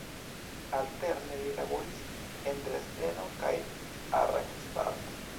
Alterne li laboris en Dresdeno kaj Arnstadt.